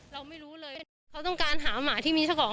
เราไม่รู้เลยเขาต้องการหาหมาที่มีเจ้าของ